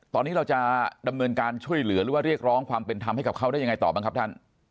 ตอนนี้เราจะดำเนินการช่วยเหลือหรือว่าเรียกร้องความเป็นธรรมให้กับเขาได้ยังไงต่อบ้างครับท่าน